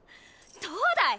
どうだい？